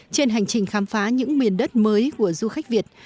trên hành trình khám phá những miền đất mới của du khách việt